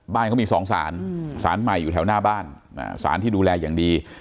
บ้านเขามี๒สารสารในแถวหน้าบ้านดูแลอย่างดี